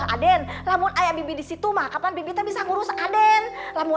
aden kalau ayah kamu di sana kapan kamu bisa mengurus adik kamu